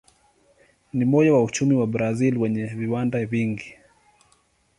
Ni moyo wa uchumi wa Brazil wenye viwanda vingi.